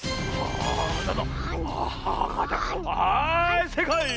はいせいかい！